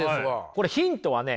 これヒントはね